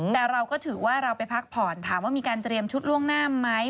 แต่เราก็ถือว่าเราไปพักผ่อนถามว่ามีการเตรียมชุดล่วงหน้าไหม